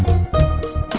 delapan satu komandan